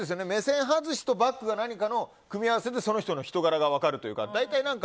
目線外しとバックが何かの組み合わせでその人の人柄が分かるというか。